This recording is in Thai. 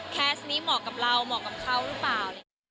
แคสต์นี้เหมาะกับเราเหมาะกับเขาหรือเปล่า